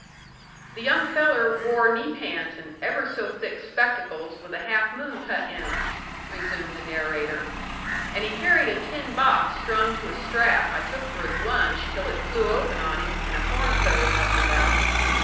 "The young feller wore knee pants and ever so thick spectacles with a half moon cut in 'em," resumed the narrator, "and he carried a tin box strung to a strap I took for his lunch till it flew open on him and a horn toad hustled out.